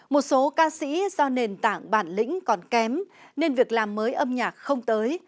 một số ca sĩ do nền tảng bản lĩnh còn kém nên việc làm mới âm nhạc không tới